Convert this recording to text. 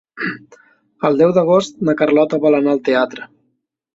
El deu d'agost na Carlota vol anar al teatre.